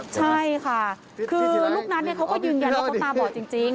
ใช่ค่ะคือลูกนัทเขาก็ยืนยันว่าเขาตาบอดจริง